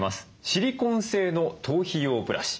シリコン製の頭皮用ブラシ。